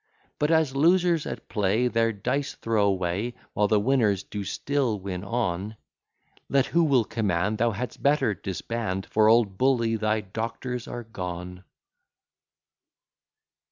But as losers at play, Their dice throw away, While the winners do still win on; Let who will command, Thou hadst better disband, For, old Bully, thy doctors are gone.